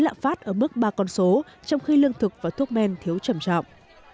lạm phát ở mức ba con số trong khi lương thực và thuốc men thiếu trầm trọng